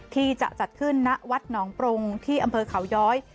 ที่จะจัดขึ้นณวัดหนองปรงที่อำเภอเขาย้อย